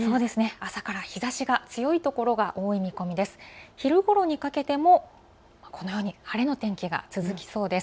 朝から日ざしが強いところが多い見込みです。